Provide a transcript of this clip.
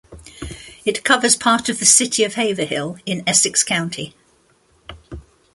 It covers part of the city of Haverhill in Essex County.